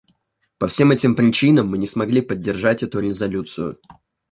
По всем этим причинам мы не смогли поддержать эту резолюцию.